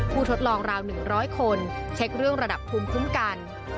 ทดลองราว๑๐๐คนเช็คเรื่องระดับภูมิคุ้มกัน